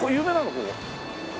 ここ。